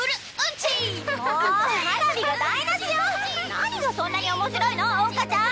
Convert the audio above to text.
何がそんなに面白いの桜花ちゃん！